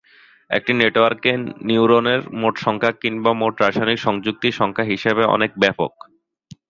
একটি নেটওয়ার্কে নিউরনের মোট সংখ্যা কিংবা, মোট রাসায়নিক সংযুক্তি সংখ্যার হিসাব অনেক ব্যপক।